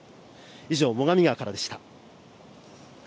以上、最上川からでした。